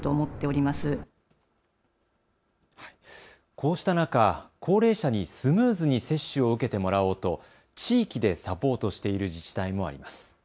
こうした中、高齢者にスムーズに接種を受けてもらおうと地域でサポートしている自治体もあります。